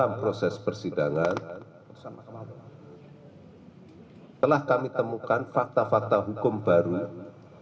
anreksi persidangan dan pendekkeit anggun trade area